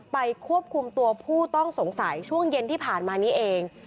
ควบคุมตัวผู้ต้องสงสัยช่วงเย็นที่ผ่านมานี้เอง